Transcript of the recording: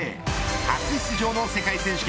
初出場の世界選手権